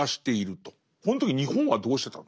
この時日本はどうしてたの？